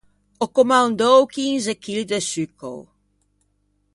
Ò commandou chinze chilli de succao.